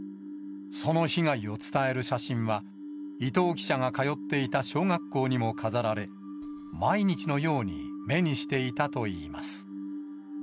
その被害を伝える写真が、伊藤記者が通っていた小学校にも飾られ、毎日のように目にしていたといいます。